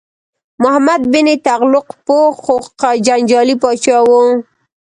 محمد بن تغلق پوه خو جنجالي پاچا و.